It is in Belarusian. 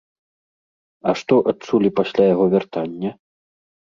А што адчулі пасля яго вяртання?